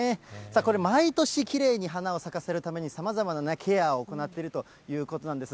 これ、毎年きれいに花を咲かせるために、さまざまなケアを行っているということなんです。